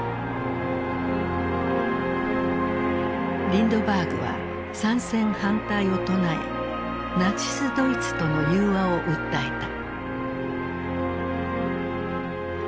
リンドバーグは参戦反対を唱えナチスドイツとの宥和を訴えた。